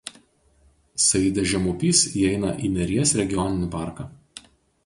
Saidės žemupys įeina į Neries regioninį parką.